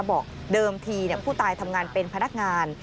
บอกเดิมทีผู้ตายทำงานเป็นพนักงาน